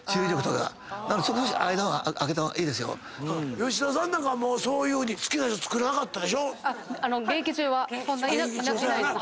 吉田さんなんかそういうふうに好きな人つくらなかったでしょ？